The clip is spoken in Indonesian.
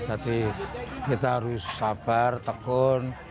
jadi kita harus sabar tekun